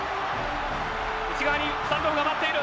内側にスタンドオフが待っている。